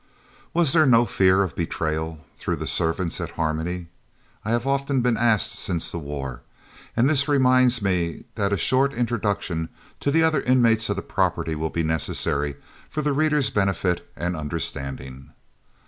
"Was there no fear of betrayal through the servants at Harmony?" I have often been asked since the war, and this reminds me that a short introduction to the other inmates of the property will be necessary for the reader's benefit and understanding.